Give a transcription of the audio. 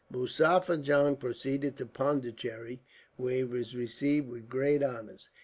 "Muzaffar Jung proceeded to Pondicherry, where he was received with great honors.